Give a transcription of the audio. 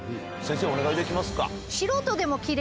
先生お願いできますか。